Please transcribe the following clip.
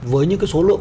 với những cái số lượng